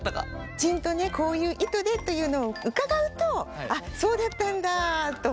きちんとこういう意図でというのを伺うとそうだったんだと思ってね